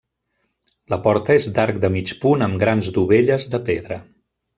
La porta és d'arc de mig punt amb grans dovelles de pedra.